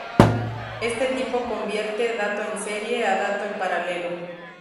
Este tipo convierte: Dato en serie a dato en paralelo.